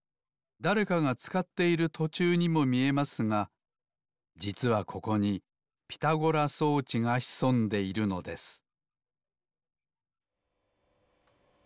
だれかがつかっているとちゅうにもみえますがじつはここにピタゴラ装置がひそんでいるのです